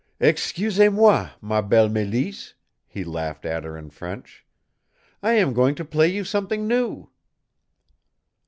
"Excuses moi, ma belle Mélisse," he laughed at her in French. "I am going to play you something new!"